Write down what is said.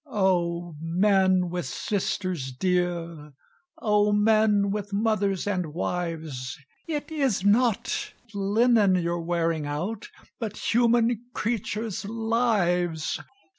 "Oh, Men, with Sisters dear! Oh, Men, with Mothers and Wives! It is not linen you're wearing out, But human creatures' lives!